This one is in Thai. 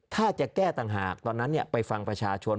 ถ้าจะแก้ต่างหากตอนนั้นไปฟังประชาชน